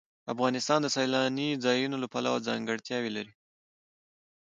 افغانستان د سیلاني ځایونو له پلوه ځانګړتیاوې لري.